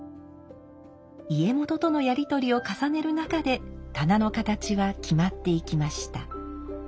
家元とのやり取りを重ねる中で棚の形は決まっていきました。